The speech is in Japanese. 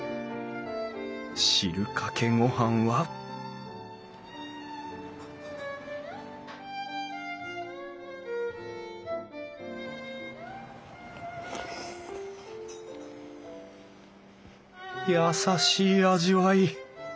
汁かけ御飯は優しい味わい。